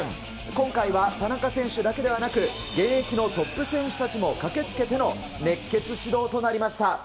今回は田中選手だけではなく、現役のトップ選手たちも駆けつけての熱血指導となりました。